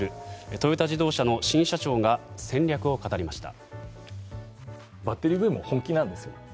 トヨタ自動車の新社長が戦略を語りました。